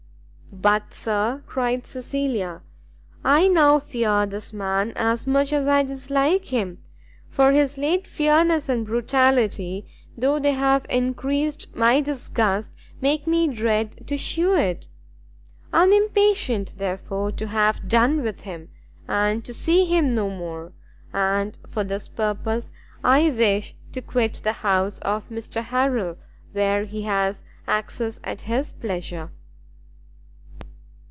"But Sir," cried Cecilia, "I now fear this man as much as I dislike him, for his late fierceness and brutality, though they have encreased my disgust, make me dread to shew it. I am impatient, therefore, to have done with him, and to see him no more. And for this purpose, I wish to quit the house of Mr Harrel, where he has access at his pleasure."